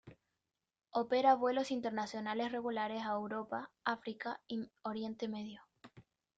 Opera vuelos internacionales regulares a Europa, África y Oriente Medio.